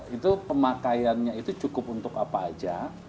itu pemakaiannya itu cukup untuk apa aja